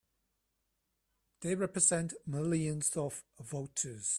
They represent millions of voters!